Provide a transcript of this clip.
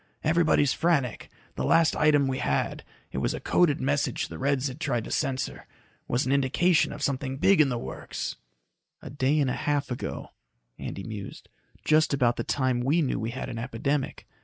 Everybody's frantic. The last item we had it was a coded message the Reds'd tried to censor was an indication of something big in the works." "A day and half ago," Andy mused. "Just about the time we knew we had an epidemic.